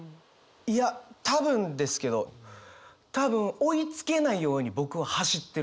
いや多分ですけど多分追いつけないように僕は走ってる。